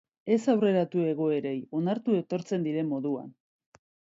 Ez aurreratu egoerei, onartu etortzen diren moduan.